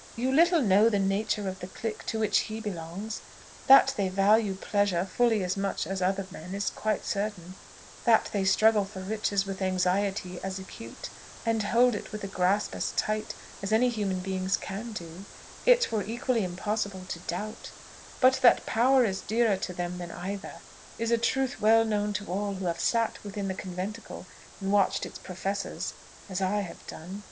"You little know the nature of the clique to which he belongs. That they value pleasure fully as much as other men, is quite certain; that they struggle for riches with anxiety as acute, and hold it with a grasp as tight, as any human beings can do, it were equally impossible to doubt: but that power is dearer to them than either, is a truth well known to all who have sat within the conventicle, and watched its professors, as I have done."